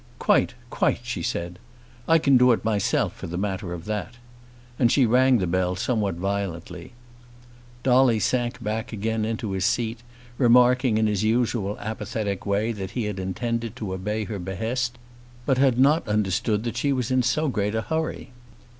"Quite, quite," she said. "I can do it myself for the matter of that." And she rang the bell somewhat violently. Dolly sank back again into his seat, remarking in his usual apathetic way that he had intended to obey her behest but had not understood that she was in so great a hurry.